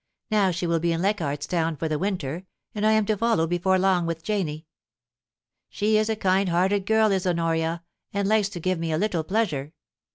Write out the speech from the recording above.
Now she will be in Lei chardt's Town for the winter, and I am to follow before long with Janie. She is a kind hearted girl is Honoria, and likes to give me a little pleasure.